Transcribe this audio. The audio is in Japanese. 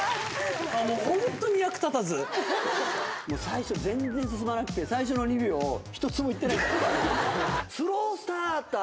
最初全然進まなくて最初の２秒１つもいってないから。